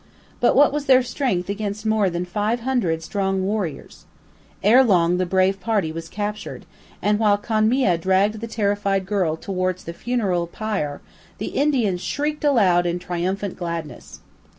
But what was their strength against more than five hundred strong warriors? Ere long the brave party was captured, and while Konmia dragged the terrified girl towards the funereal pile, the Indians shrieked aloud in triumphant gladness.